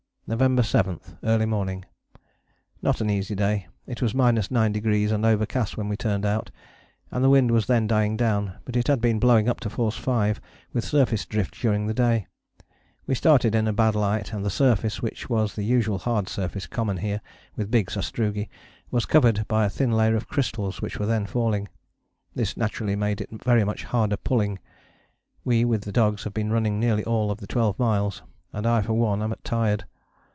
November 7. Early morning. Not an easy day. It was 9° and overcast when we turned out, and the wind was then dying down, but it had been blowing up to force 5, with surface drift during the day. We started in a bad light and the surface, which was the usual hard surface common here, with big sastrugi, was covered by a thin layer of crystals which were then falling. This naturally made it very much harder pulling: we with the dogs have been running nearly all the twelve miles, and I for one am tired.